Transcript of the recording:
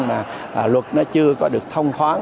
mà luật nó chưa có được thông thoáng